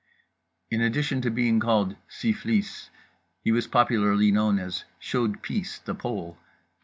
In addition to being called "Syph'lis" he was popularly known as "Chaude Pisse, the Pole."